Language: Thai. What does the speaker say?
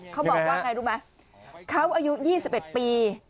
เขาบอกว่าไงรู้ไหมเขาอายุยี่สิบเอ็ดปี